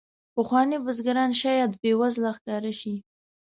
پخواني بزګران شاید بې وزله ښکاره شي.